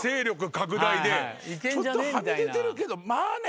ちょっとはみ出てるけどまあね